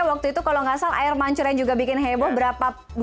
waktu itu kalau nggak salah air mancur yang juga bikin heboh berapa